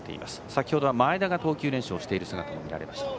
先ほどは前田が投球練習している姿が見られました。